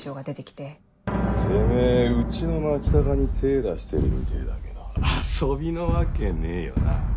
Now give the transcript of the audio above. てめぇうちの牧高に手出してるみてぇだけど遊びのわけねえよな？